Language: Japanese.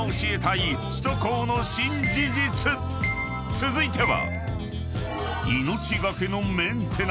［続いては］